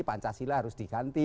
pancasila harus diganti